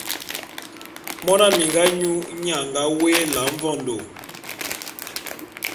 Mona minga nyu nnye a nga woé Ela Mvondo.